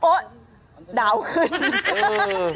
โอ๊ะดาวขึ้น